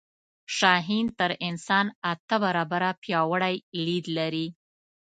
شاهین تر انسان اته برابره پیاوړی لید لري